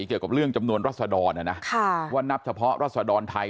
เกี่ยวกับเรื่องจำนวนรัฐสดรนะครับก่อนนับเฉพาะรัฐสดรไทย